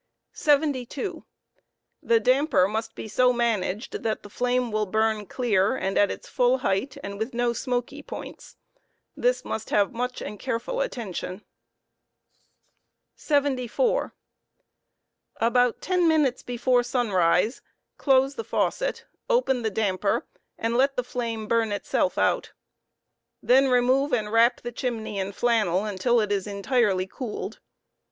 "' 73. The damper must be so managed that the flame will burn clear and at its full ua*«f danprn height and with no smoky points.. This must have much and careful attention. 74. About ten minutes before suntise, close the faucet, open the damper; and let the flame burn itself out. Then remove and wrap the chimney fn flannel until it is i" entirely cooled.